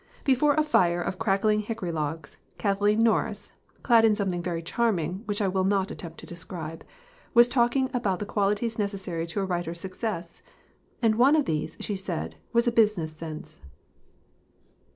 Before a fire of crackling hickory logs, Kathleen Norris (clad in something very charming, which I will not attempt to describe) was talking about the qualities necessary to a writer's success. And one of these, she said, was a business sense.